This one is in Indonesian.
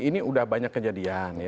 ini sudah banyak kejadian